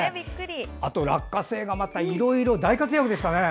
あと、落花生がまたいろいろ、大活躍でしたね。